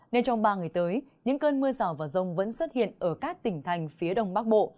nên trong ba ngày tới những cơn mưa rào và rông vẫn xuất hiện ở các tỉnh thành phía đông bắc bộ